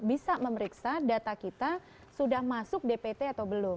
bisa memeriksa data kita sudah masuk dpt atau belum